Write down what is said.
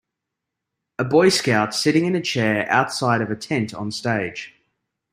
A boy scout sitting in a chair outside of a tent on stage.